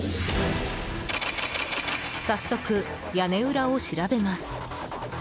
早速、屋根裏を調べます。